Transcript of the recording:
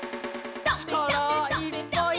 ちからいっぱい！